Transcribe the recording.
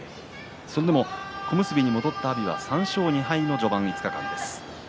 それでも小結に戻った阿炎３勝２敗の序盤５日間です。